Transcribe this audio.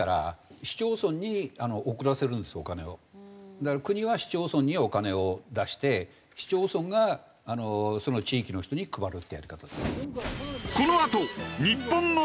だから国は市町村にお金を出して市町村がその地域の人に配るっていうやり方。